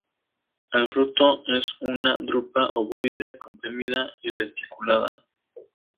El fruto es una drupa ovoide, comprimida y reticulada.